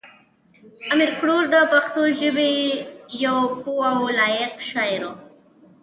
امیر کروړ د پښتو ژبې یو پوه او لایق شاعر و.